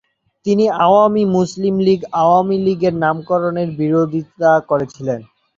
তিনি আওয়ামী মুসলিম লীগ আওয়ামী লীগের নামকরণের বিরোধিতা করেছিলেন।